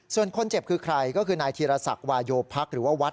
ส่วนคนเจ็บคือใครก็คือนายธีรศักดิ์วาโยพักหรือว่าวัด